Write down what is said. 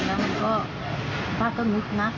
แล้วมันก็ป้าก็นึกนะ